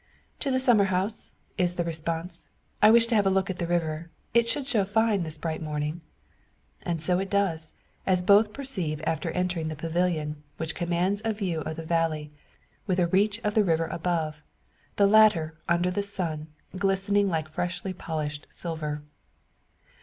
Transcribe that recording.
"To the summer house," is the response. "I wish to have a look at the river. It should show fine this bright morning." And so it does; as both perceive after entering the pavilion, which commands a view of the valley, with a reach of the river above the latter, under the sun, glistening like freshly polished silver.